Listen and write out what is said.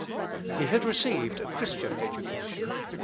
He had received a Christian education.